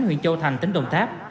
huyện châu thành tỉnh đồng tháp